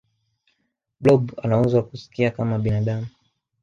blob anauwezo wa kusikia kama binadamu